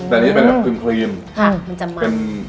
แต่นี่เป็นแบบดูชักครีม